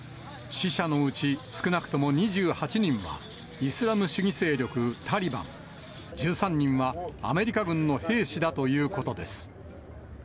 死者のうち少なくとも２８人は、イスラム主義勢力タリバン、１３人はアメリカ軍の兵士だということです。